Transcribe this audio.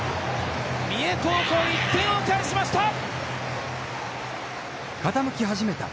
三重高校、１点を返しました！